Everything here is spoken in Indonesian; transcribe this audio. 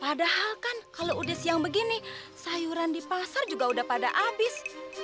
padahal kan kalau udah siang begini sayuran di pasar juga udah pada habis